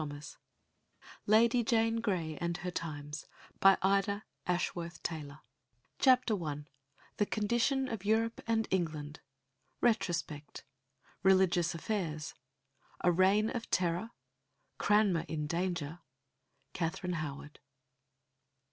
294 LADY JANE GREY AND HER TIMES CHAPTER I The condition of Europe and England Retrospect Religious Affairs A reign of terror Cranmer in danger Katherine Howard.